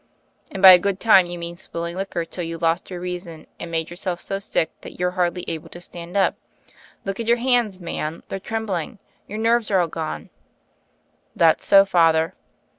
"And by a good time you mean swilling liquor till you lost your reason and made yourself so sick that you're hardly able to stand up. Look at your hands, man: they're trembling. Your nerves are gone." "That's so. Father."